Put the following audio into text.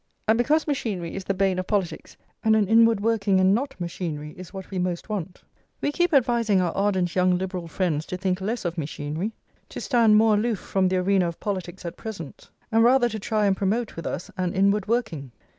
And because machinery is the bane of politics, and an inward working, and not machinery, is what we most want, we keep advising our ardent young Liberal friends to think less of machinery, to stand more aloof from the arena of politics at present, and rather to try and promote, with us, an inward working.